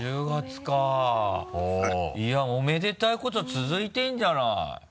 いやおめでたいこと続いてんじゃない。